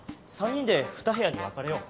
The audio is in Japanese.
３人で２部屋に分かれよう。